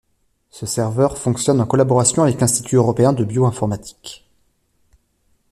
Ce serveur fonctionne en collaboration avec l'Institut européen de bio-informatique.